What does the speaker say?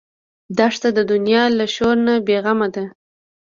دښته د دنیا له شور نه بېغمه ده.